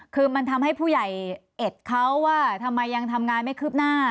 คือมันทำให้ผู้ใหญ่เอ็ดเขาว่าทำไมยังทำงานไม่คืบหน้า